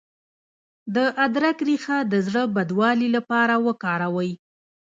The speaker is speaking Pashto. د ادرک ریښه د زړه بدوالي لپاره وکاروئ